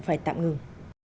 phải tạm ngừng